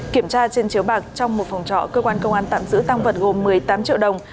kiểm tra trên chiếu bạc trong một phòng trọ cơ quan công an tạm giữ tăng vật gồm một mươi tám triệu đồng